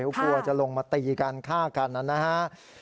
ทุกคนอาจจะลงมาตีกันฆ่ากันนั้นนะฮะ